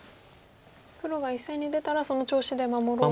黒が１線に出たらその調子で守ろうと。